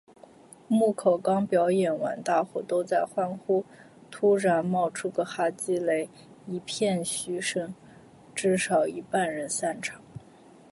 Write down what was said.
木口刚表演完大伙都在欢呼，突然冒出个哈基雷，一片嘘声，至少一半人散场